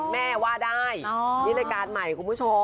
แม่ว่าได้นี่รายการใหม่คุณผู้ชม